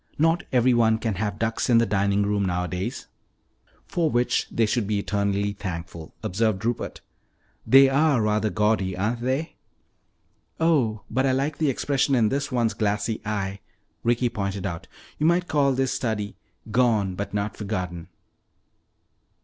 Not everyone can have ducks in the dining room nowadays." "For which they should be eternally thankful," observed Rupert. "They are rather gaudy, aren't they?" "Oh, but I like the expression in this one's glassy eye," Ricky pointed out. "You might call this study 'Gone But Not Forgotten.'"